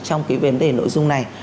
trong cái vấn đề nội dung này